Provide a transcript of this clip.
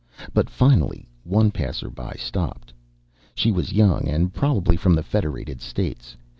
But finally one passer by stopped. She was young and probably from the Federated States.